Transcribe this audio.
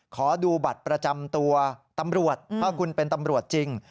ขอดูบัตรประจำตัวตำรวจถ้าคุณเป็นตำรวจจริง